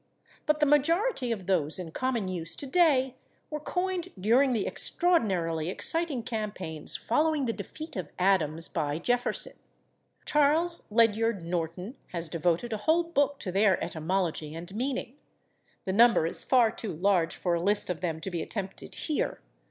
But the majority of those in common use today were coined during the extraordinarily exciting campaigns following the defeat of Adams by Jefferson. Charles Ledyard Norton has devoted a whole book to their etymology and meaning; the number is far too large for a list of them to be attempted here.